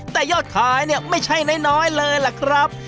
แต่ยอดขายเนี่ยไม่ใช่น้อยเลยล่ะครับ